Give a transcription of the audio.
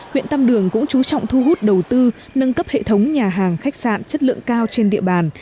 huyện tam đường cũng chú trọng thu hút đầu tư nâng cấp hệ thống nhà hàng khách sạn chất lượng cao trên địa bàn